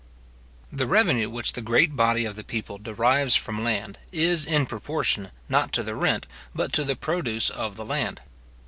The revenue which the great body of the people derives from land is, in proportion, not to the rent, but to the produce of the land.